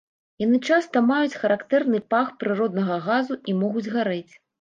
Яны часта маюць характэрны пах прыроднага газу, і могуць гарэць.